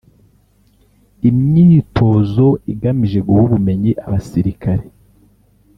Imyitozo igamije guha ubumenyi abasirikare